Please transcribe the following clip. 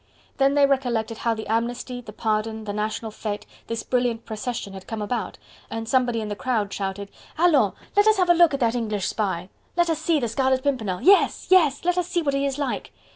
Then they recollected how the amnesty, the pardon, the national fete, this brilliant procession had come about, and somebody in the crowd shouted: "Allons! les us have a look at that English spy!..." "Let us see the Scarlet Pimpernel!" "Yes! yes! let us see what he is like!"